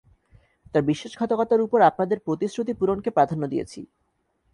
তার বিশ্বাসঘাতকতার উপর আপনাদের প্রতিশ্রুতি পূরণকে প্রাধান্য দিয়েছি।